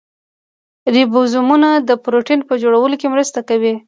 رایبوزومونه د پروټین په جوړولو کې مرسته کوي